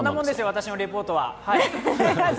私のリポートは。